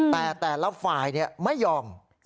แต่แล้วฝ่ายนี้ไม่ยอม